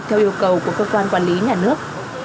theo yêu cầu của cơ quan quản lý nhà nước